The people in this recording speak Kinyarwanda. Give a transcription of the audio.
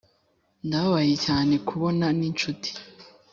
ndababaye cyane kubona ninshuti